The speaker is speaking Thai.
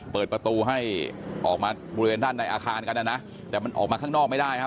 เปิดประตูให้ออกมาบริเวณด้านในอาคารกันนะนะแต่มันออกมาข้างนอกไม่ได้ครับ